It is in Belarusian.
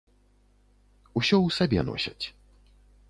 Усё ў сабе носяць.